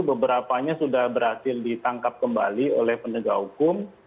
beberapanya sudah berhasil ditangkap kembali oleh penegak hukum